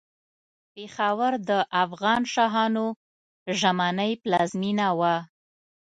پېښور د افغان شاهانو ژمنۍ پلازمېنه وه.